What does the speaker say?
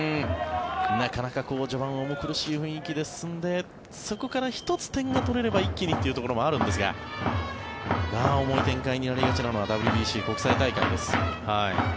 なかなか序盤、重苦しい雰囲気で進んでそこから１つ点が取れれば一気にというところもあるんですが重い展開になりがちなのはＷＢＣ、国際大会です。